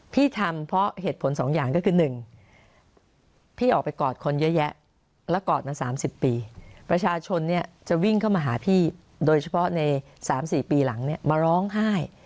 พี่ทำเพราะเหตุผลสองอย่างก็คือ๑พี่ออกไปกอดคนเยอะแยะและกอดมา๓๐ปีประชาชนเนี่ยจะวิ่งเข้ามาหาพี่โดยเฉพาะใน๓๔ปีหลังเนี่ยมาร้องไห้